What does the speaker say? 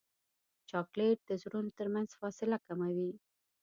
چاکلېټ د زړونو ترمنځ فاصله کموي.